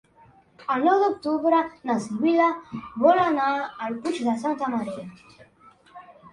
El nou d'octubre na Sibil·la vol anar al Puig de Santa Maria.